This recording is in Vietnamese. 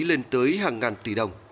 lên tới hàng ngàn tỷ đồng